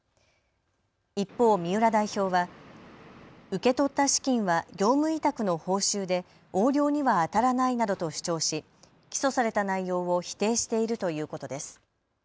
一方、三浦代表は受け取った資金は業務委託の報酬で横領にはあたらないなどと主張し起訴された内容を否定しているということです。